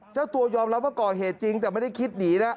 เจ้าตัวยอมรับว่าก่อเหตุจริงแต่ไม่ได้คิดหนีนะ